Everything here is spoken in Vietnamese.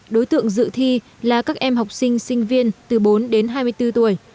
đối tượng dự thi là các em học sinh sinh viên từ bốn đến hai mươi bốn tuổi